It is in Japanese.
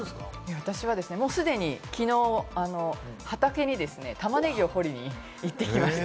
私はすでに昨日、畑に玉ねぎを掘りに行ってきました。